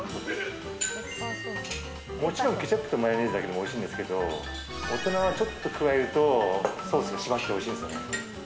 もちろんケチャップとマヨネーズだけでもおいしいんですけど大人はちょっと加えるとソースが締まっておいしいんです。